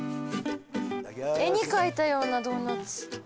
絵に描いたようなドーナツ。